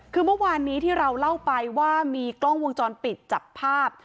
คือเมื่อวานนี้ที่เราเล่าไปว่ามีกล้องวงจรปิดจับภาพ